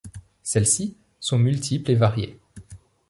Celles-ci sont multiples et variées.